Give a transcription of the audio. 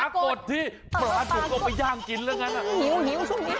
หิวช่วงนี้